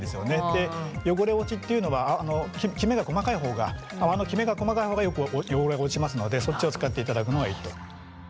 で汚れ落ちっていうのはあのきめが細かい方が泡のきめが細かい方がよく汚れが落ちますのでそっちを使っていただくのがいいと。